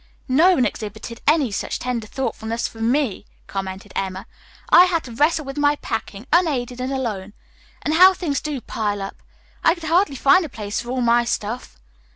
"No one exhibited any such tender thoughtfulness for me," commented Emma. "I had to wrestle with my packing unaided and alone. And how things do pile up! I could hardly find a place for all my stuff."